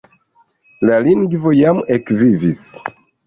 La lingvo jam ekvivis.